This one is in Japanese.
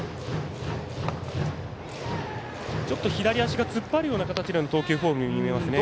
左足が突っ張るような投球フォームに見えますね。